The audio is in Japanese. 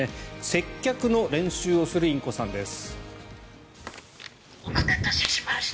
接客の練習をするインコさんです。